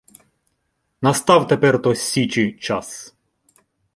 Настав тепер-то січі час!